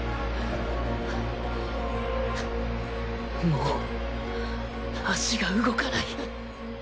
もう足が動かない